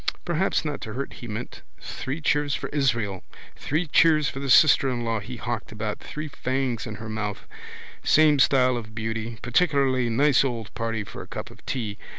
Perhaps not to hurt he meant. Three cheers for Israel. Three cheers for the sister in law he hawked about, three fangs in her mouth. Same style of beauty. Particularly nice old party for a cup of tea.